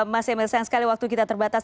mas emil sayang sekali waktu kita terbatas